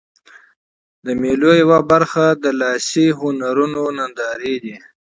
د مېلو یوه برخه د لاسي هنرونو نندارې دي.